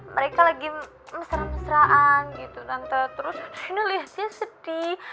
mereka lagi mesra mesraan gitu tante terus adriana liatnya sedih